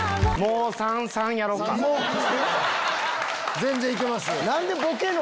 全然行けますよ。